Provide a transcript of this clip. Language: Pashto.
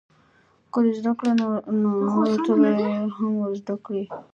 که دې زده کړه نو نورو ته به یې هم ورزده کړې.